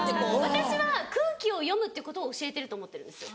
私は空気を読むっていうことを教えてると思ってるんですよ。